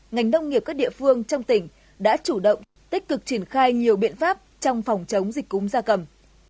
ngành nông nghiệp các địa phương trong tỉnh đã chủ động tích cực triển khai nhiều biện pháp trong phòng chống dịch cúm da cầm